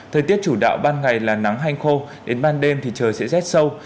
thời tiết chủ đạo ban ngày là nắng hanh khô đến ban đêm thì trời sẽ rét sâu